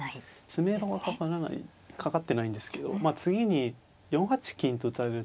詰めろはかかってないんですけど次に４八金と打たれる手が。